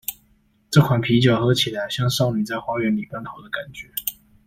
這款啤酒喝起來，像少女在花園裡奔跑的感覺